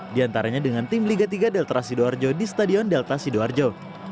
di antaranya dengan tim liga tiga delta sidoarjo di stadion delta sidoarjo